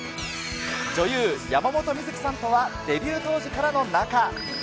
女優、山本美月さんとはデビュー当時からの仲。